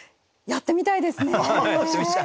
やってみたいです。